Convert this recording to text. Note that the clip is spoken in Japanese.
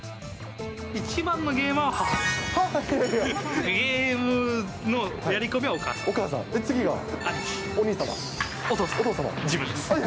一番のゲーマーは母ですかね。